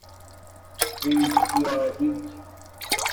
ریکیاویک